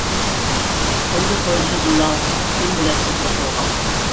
تۇنجى قويۇلۇشىدىلا پۈتۈن بېلەت سېتىلىپ بولغان.